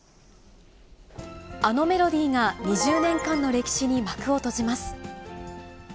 あのメロディーが２０年間の歴史に幕を閉じます。